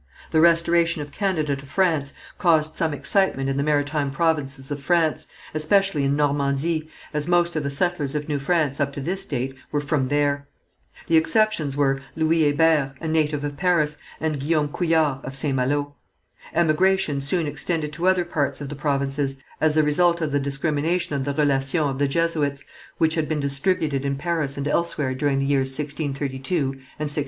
The restoration of Canada to France caused some excitement in the maritime provinces of France, especially in Normandy, as most of the settlers of New France up to this date were from there. The exceptions were, Louis Hébert, a native of Paris, and Guillaume Couillard, of St. Malo. Emigration soon extended to other parts of the provinces, as the result of the discrimination of the Relations of the Jesuits, which had been distributed in Paris and elsewhere during the years 1632 and 1633.